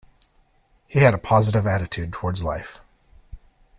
He had a positive attitude towards life.